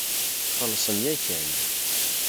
Txellṣem yakan.